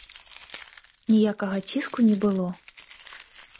Ніякага ціску не было.